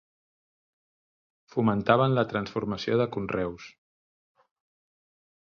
Fomentaven la transformació de conreus.